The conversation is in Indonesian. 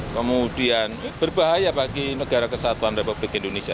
kemudian berbahaya bagi negara kesatuan republik indonesia